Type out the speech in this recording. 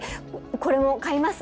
これも買います